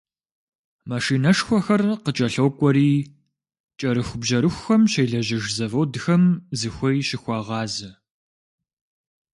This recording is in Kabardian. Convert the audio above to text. Машинэшхуэхэр къыкӏэлъокӏуэри, кӏэрыхубжьэрыхухэм щелэжьыж заводхэм зыхуей щыхуагъазэ.